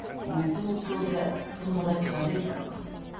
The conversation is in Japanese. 東京で友達はできたのか？